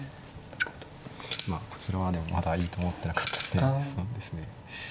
まあこちらはでもまだいいと思ってなかったんで。